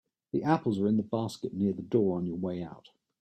The apples are in the basket near the door on your way out.